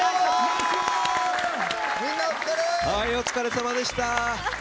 お疲れさまでした。